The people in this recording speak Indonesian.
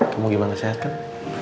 kamu gimana sehat kan